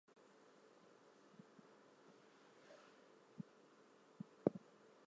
She established herself first in the village of Colindres.